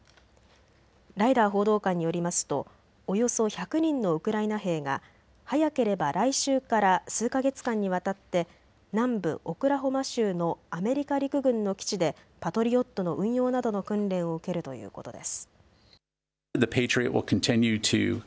ライダー報道官によりますとおよそ１００人のウクライナ兵が早ければ来週から数か月間にわたって南部オクラホマ州のアメリカ陸軍の基地でパトリオットの運用などの訓練を受けるということです。